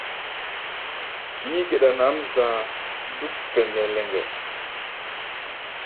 Kií-geɗa nʼǎm za̧a̧ dúk pɛŋgɛ-lɛŋgɛ.